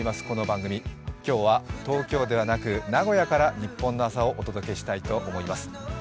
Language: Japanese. この番組、今日は東京ではなく、名古屋からニッポンの朝をお届けしたいと思います。